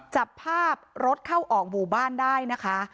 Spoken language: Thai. จับภาพรถเข้าออกหมู่บ้านได้นะคะ